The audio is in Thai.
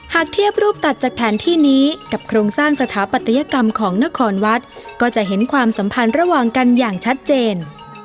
หากเทียบรูปตัดจากแผนที่นี้กับโครงสร้างสถาปัตยกรรมของนครวัดก็จะเห็นความสัมพันธ์ระหว่างกันอย่างชัดเจน